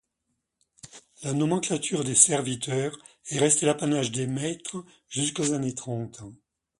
La nomenclature des serviteurs est restée l'apanage des maîtres jusqu'aux années trente.